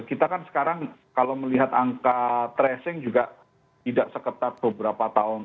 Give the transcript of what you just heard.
kita kan sekarang kalau melihat angka tracing juga tidak seketat beberapa tahun